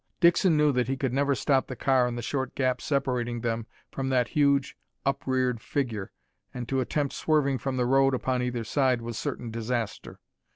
Dixon knew that he could never stop the car in the short gap separating them from that huge upreared figure, and to attempt swerving from the road upon either side was certain disaster.